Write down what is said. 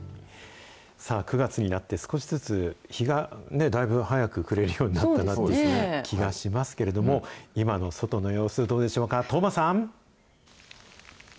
９月になって少しずつ日がだいぶ早く暮れるようになった気がしますけれども、今の外の様子、どうでしょうか、當麻さん。